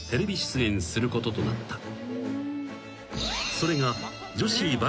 ［それが］